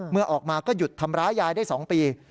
เมื่อออกมาก็หยุดทำร้ายยายได้๒ปี